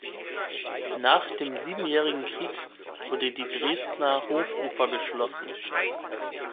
Nach dem Siebenjährigen Krieg wurde die Dresdner Hofoper geschlossen.